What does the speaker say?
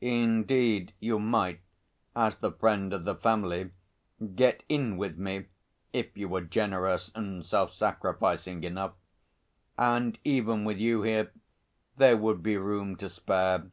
Indeed, you might, as the friend of the family, get in with me if you were generous and self sacrificing enough and even with you here there would be room to spare.